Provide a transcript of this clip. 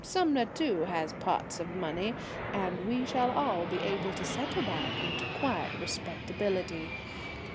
Sumner, too, has pots of money, and we shall all be able to settle down into quiet respectability.